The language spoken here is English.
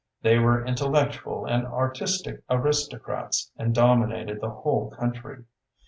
They were intellectual and artistic aristocrats and dominated the whole country.